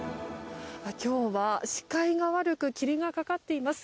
今日は視界が悪く霧がかかっています。